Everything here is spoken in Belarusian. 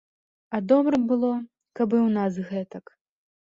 А добра б было, каб і ў нас гэтак.